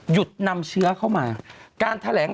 หยุดนำเชื้อเข้ามา